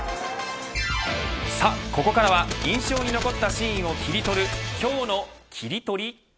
さあ、ここからは印象に残ったシーンを切り取る今日のキリトリ。